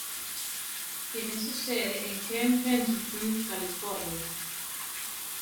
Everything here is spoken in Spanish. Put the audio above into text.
Tiene su sede en Camp Pendleton, California.